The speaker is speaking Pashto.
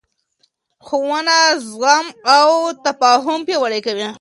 ښوونه زغم او تفاهم پیاوړی کوي